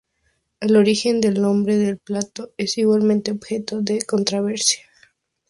El origen del nombre del plato es igualmente objeto de controversia.